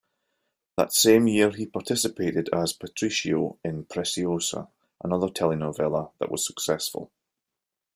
That same year, he participated as "Patricio" in "Preciosa", another telenovela that was successful.